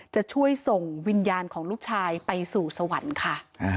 จะช่วยส่งวิญญาณของลูกชายไปสู่สวรรค์ค่ะ